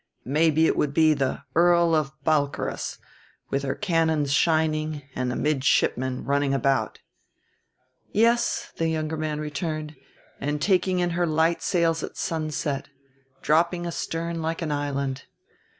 Maybe it would be the Earl of Balcarras with her cannons shining and the midshipmen running about." "Yes," the younger man returned, "and taking in her light sails at sunset, dropping astern like an island.